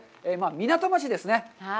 港町ですね。